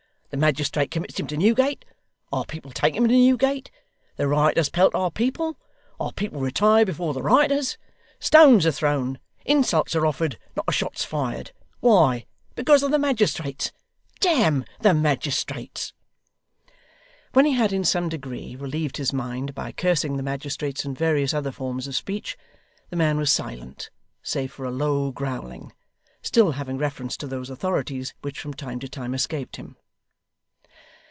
The magistrate commits him to Newgate. Our people take him to Newgate. The rioters pelt our people. Our people retire before the rioters. Stones are thrown, insults are offered, not a shot's fired. Why? Because of the magistrates. Damn the magistrates!' When he had in some degree relieved his mind by cursing the magistrates in various other forms of speech, the man was silent, save for a low growling, still having reference to those authorities, which from time to time escaped him.